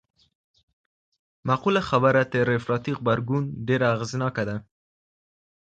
معقوله خبره تر افراطي غبرګون ډېره اغېزناکه ده.